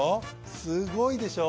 すごいでしょ。